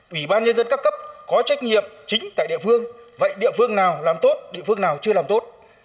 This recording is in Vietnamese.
ủy ban nhân dân các cấp có trách nhiệm chính tại địa phương vậy địa phương nào làm tốt địa phương nào chưa làm tốt